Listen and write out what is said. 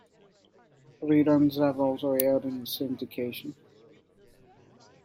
Reruns have also aired in syndication.